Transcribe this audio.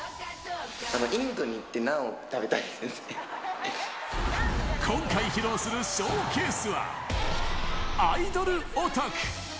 インドに行って、今回披露するショーケースは、アイドルヲタク。